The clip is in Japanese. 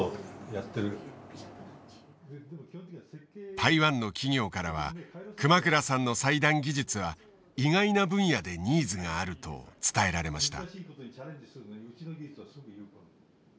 台湾の企業からは熊倉さんの裁断技術は意外な分野でニーズがあると伝えられました。